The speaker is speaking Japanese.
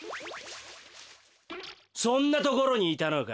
そんなところにいたのか。